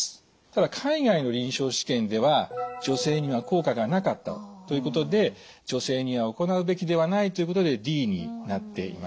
ただ海外の臨床試験では女性には効果がなかったということで女性には行うべきではないということでＤになっています。